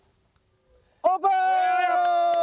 オープン！わ！